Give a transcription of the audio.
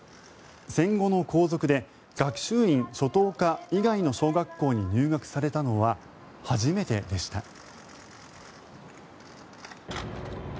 戦後の皇族で学習院初等科以外の小学校に入学されたのは初めてでした。